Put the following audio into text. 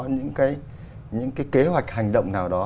những cái kế hoạch hành động nào đó